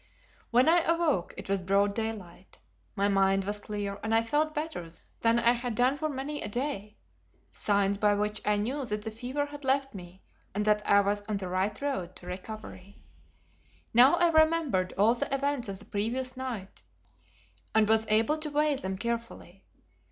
When I awoke it was broad daylight. My mind was clear and I felt better than I had done for many a day, signs by which I knew that the fever had left me and that I was on the high road to recovery. Now I remembered all the events of the previous night and was able to weigh them carefully.